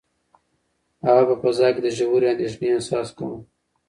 هغه په فضا کې د ژورې اندېښنې احساس کاوه.